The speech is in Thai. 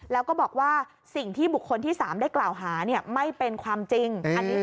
แล้วก็บอกว่าสิ่งที่บุคคลที่๓ได้กล่าวหาไม่เป็นความจริง